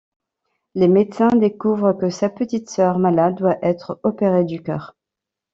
Les médecins découvre que sa petite sœur, malade, doit être opérée du cœur.